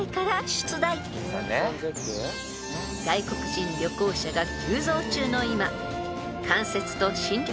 ［外国人旅行者が急増中の今］